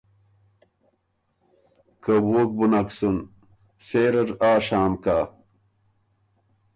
که ووک بُو نک سُن، سېره ر آ شام کۀ